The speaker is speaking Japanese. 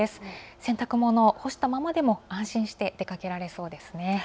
洗濯物を干したままでも安心して出かけられそうです。